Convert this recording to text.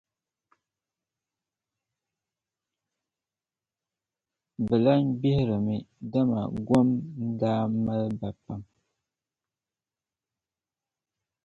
bɛ lan gbihirimi, dama gom n-daa mali ba pam.